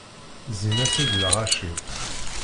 Zzin-as-d lɣaci.